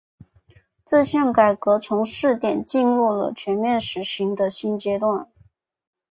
这项改革从试点进入了全面实行的新阶段。